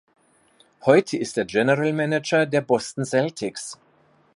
Heute ist er General Manager der Boston Celtics.